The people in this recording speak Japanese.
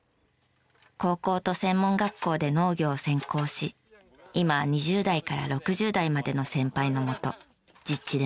高校と専門学校で農業を専攻し今２０代から６０代までの先輩のもと実地で学んでいます。